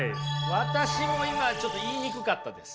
私も今ちょっと言いにくかったです。